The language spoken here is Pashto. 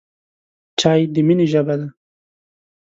چای د مینې ژبه ده.